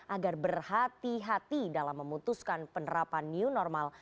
agar berhati hati dalam memutuskan penerapan new normal